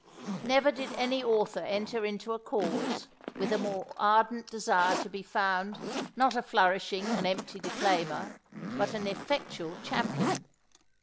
Never did any author enter into a cause, with a more ardent desire to be found, not a flourishing and empty declaimer, but an effectual champion.